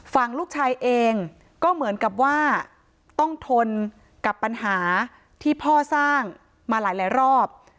ฝั่งลูกชายเองก็เหมือนกับว่าต้องทนกับปัญหาที่พ่อสร้างมาหลายรอบ